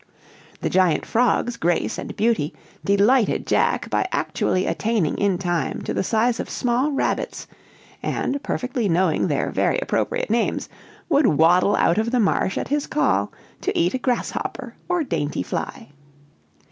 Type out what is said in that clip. The giant frogs, Grace and Beauty, delighted Jack by actually attaining in time to the size of small rabbits; and, perfectly knowing their very appropriate names, would waddle out of the marsh at his call, to eat a grasshopper or dainty fly.